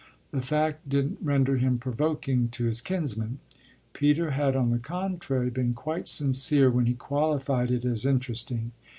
The fact didn't render him provoking to his kinsman: Peter had on the contrary been quite sincere when he qualified it as interesting.